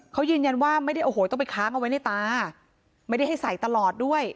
เขายืนยันว่าไม่ได้โอ้โหต้องไปค้างเอาไว้ในตาไม่ได้ให้ใส่ตลอดด้วย